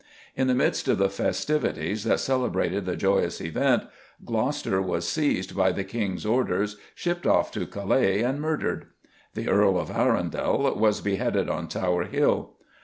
In the midst of the festivities that celebrated the joyous event Gloucester was seized by the King's orders, shipped off to Calais, and murdered; the Earl of Arundel was beheaded on Tower Hill.